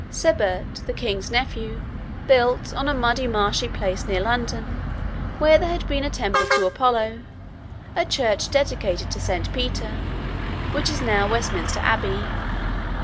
Sebert, the King's nephew, built on a muddy marshy place near London, where there had been a temple to Apollo, a church dedicated to Saint Peter, which is now Westminster Abbey.